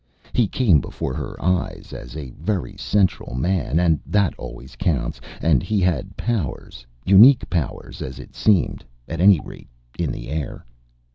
He came before her eyes as a very central man, and that always counts, and he had powers, unique powers as it seemed, at any rate in the air.